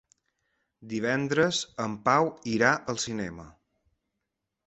Divendres en Pau irà al cinema.